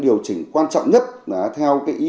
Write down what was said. điều chỉnh quan trọng nhất theo cái ý